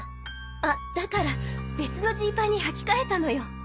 あだから別のジーパンにはき替えたのよ。